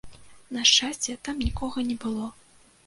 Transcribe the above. На шчасце, там нікога не было.